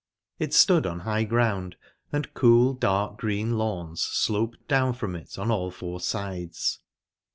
It stood on high ground, and cool, dark green lawns sloped down from it on all four sides.